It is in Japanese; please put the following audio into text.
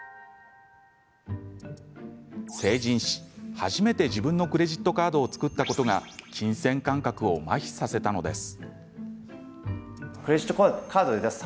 成人し、初めて自分のクレジットカードを作ったことが金銭感覚をまひさせたのです。